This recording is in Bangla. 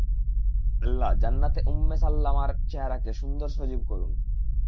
আল্লাহ জান্নাতে উম্মে সাল্লামার চেহারাকে সুন্দর সজীব করুন।